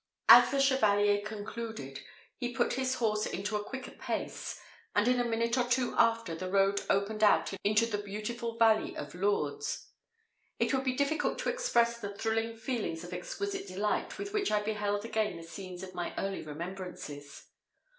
As the chevalier concluded, he put his horse into a quicker pace, and in a minute or two after, the road opened out into the beautiful valley of Lourdes. It would be difficult to express the thrilling feelings of exquisite delight with which I beheld again the scenes of my early remembrances.